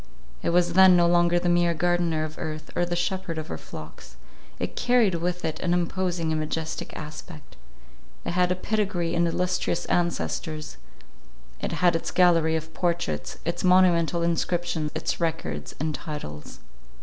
It was then no longer the mere gardener of earth, or the shepherd of her flocks; "it carried with it an imposing and majestic aspect; it had a pedigree and illustrious ancestors; it had its gallery of portraits, its monumental inscriptions, its records and titles."